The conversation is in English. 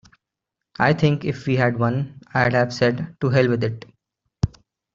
I think if we had won, I'd have said, 'To hell with it'.